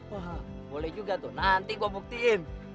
wah boleh juga tuh nanti gue buktiin